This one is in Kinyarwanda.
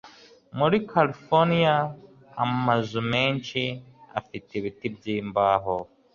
Muri Californiya, amazu menshi afite ibiti byimbaho.